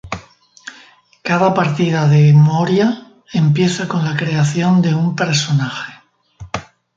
Cada partida de "Moria" empieza con la creación de un personaje.